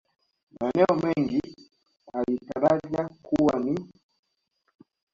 Maeneo mengine aliyataja kuwa ni ufugaji samaki wa kisasa na nyuki